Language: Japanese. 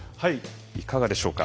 いかがでしょうか？